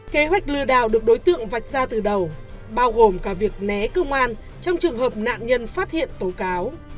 kế hoạch lừa đảo được đối tượng vạch ra từ đầu bao gồm cả việc né công an trong trường hợp nạn nhân phát hiện tố cáo